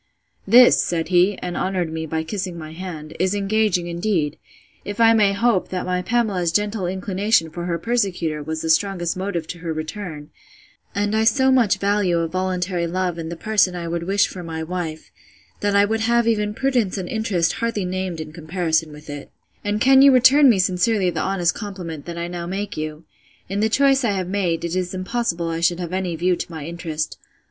This, said he, (and honoured me by kissing my hand,) is engaging, indeed; if I may hope, that my Pamela's gentle inclination for her persecutor was the strongest motive to her return; and I so much value a voluntary love in the person I would wish for my wife, that I would have even prudence and interest hardly named in comparison with it: And can you return me sincerely the honest compliment I now make you?—In the choice I have made, it is impossible I should have any view to my interest.